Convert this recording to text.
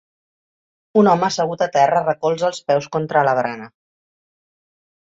Un home assegut a terra recolza els peus contra la barana.